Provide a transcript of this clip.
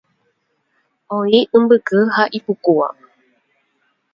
Oĩ imbyky ha ipukúva.